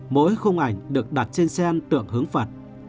mỗi không ảnh được đặt trên sen tượng hướng phật